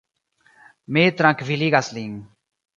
Mi trankviligas lin.